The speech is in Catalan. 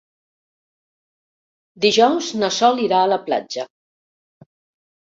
Dijous na Sol irà a la platja.